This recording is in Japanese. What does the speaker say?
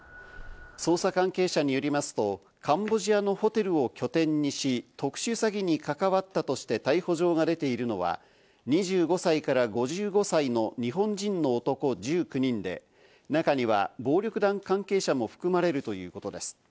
捜査関係者によりますと、カンボジアのホテルを拠点にし、特殊詐欺に関わったとして逮捕状が出ているのは、２５歳から５５歳の日本人の男１９人で、中には暴力団関係者も含まれるということです。